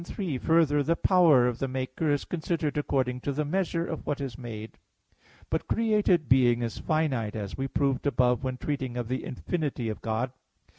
3: Further, the power of the maker is considered according to the measure of what is made. But created being is finite, as we proved above when treating of the infinity of God (Q. 7, AA.